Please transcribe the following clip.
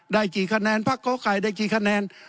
ได้กี่คะแนนพักกไข่ได้กี่คะแนน